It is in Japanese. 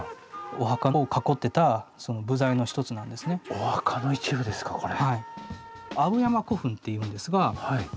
お墓の一部ですかこれ。